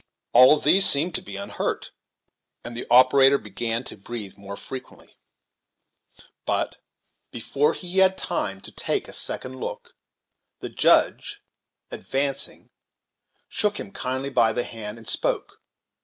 All of these seemed to be unhurt, and the operator began to breathe more freely; but, before he had time to take a second look, the Judge, advancing, shook him kindly by the hand, and spoke.